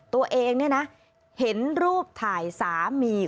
ตัวเองเห็นรูปถ่ายสามี